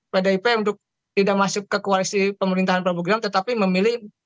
pdip untuk tidak masuk ke koalisi pemerintahan prabowo gram tetapi memilih